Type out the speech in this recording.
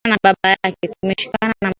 Tumeshikana na baba yake